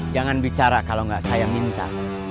jangan bicara kalau nggak saya minta